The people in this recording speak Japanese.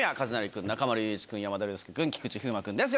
君、中丸雄一君、山田涼介君、菊池風磨君です。